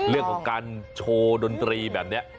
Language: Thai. เรื่องของการโชว์ดนตรีแบบนี้